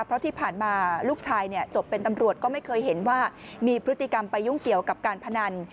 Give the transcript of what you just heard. เพราะที่ผ่านมาลูกชายจบเป็นตำรวจก็ไม่เคยเห็นว่ามีพฤติกรรมไปยุ่งเกี่ยวกับการพนัน